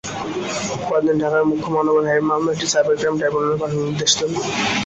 পরদিন ঢাকার মুখ্য মহানগর হাকিম মামলাটি সাইবার ক্রাইম ট্রাইব্যুনালে পাঠানোর নির্দেশ দেন।